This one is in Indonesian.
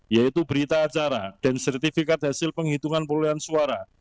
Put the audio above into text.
yaitu berita acara dan sertifikat hasil penghitungan pemulihan suara